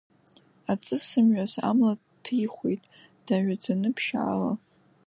Аҵысымҩас абла ҭихуеит, даҩаӡаны, ԥшьаала.